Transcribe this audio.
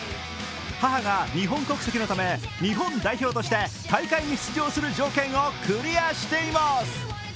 母が日本国籍のため日本代表として大会に出場する条件をクリアしています。